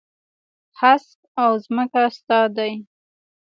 هسک او ځمکه ستا دي.